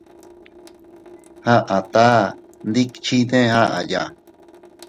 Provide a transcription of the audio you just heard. Aata ndikchinne aʼaya.